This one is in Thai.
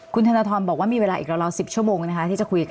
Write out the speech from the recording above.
คุณธนทรบอกว่ามีเวลาอีกราว๑๐ชั่วโมงนะคะที่จะคุยกัน